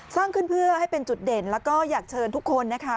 สร้างขึ้นเพื่อให้เป็นจุดเด่นแล้วก็อยากเชิญทุกคนนะคะ